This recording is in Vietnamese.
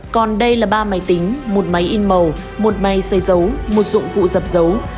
còn đây là ba máy tính một máy in màu một máy xây dấu một dụng cụ dập dấu